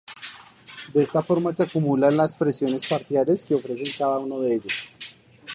De esta forma se acumulan las presiones parciales que ofrecen cada uno de ellos.